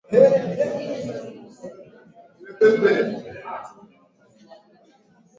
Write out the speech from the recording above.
mbolea ya samadi inatakiwa kuwekwa kwa wakati na kiasi kilichoelekezwa